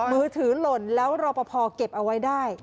มือถือหล่นแล้วเราประพอบ์เก็บเอาไว้ได้